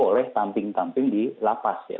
oleh tamping tamping di lapas ya